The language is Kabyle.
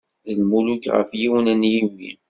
D lmuluk ɣef yiwen n yimi.